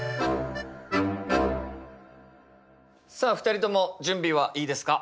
さあ２人とも準備はいいですか？